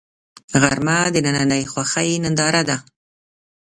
غرمه د دنننۍ خوښۍ ننداره ده